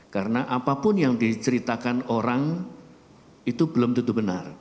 karena apapun yang diceritakan orang itu belum tentu benar